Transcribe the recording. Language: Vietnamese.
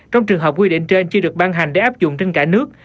trong trường hợp quy định trên chưa được ban hành để áp dụng trên cả nước